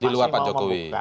di luar pak jokowi